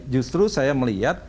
justru saya melihat